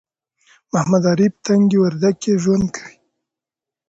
محمد عارف تنگي وردک کې ژوند کوي